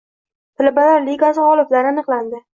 “Talabalar ligasi” g‘oliblari aniqlanding